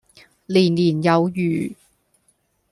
年年有餘